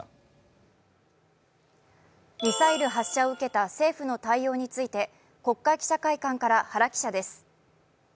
ミサイル発射を受けた政府の対応について国会記者会館から原記者です。